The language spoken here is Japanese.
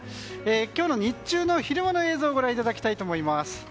今日の日中の昼間の映像をご覧いただきたいと思います。